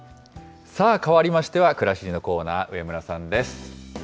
かわりましては、くらしりのコーナー、上村さんです。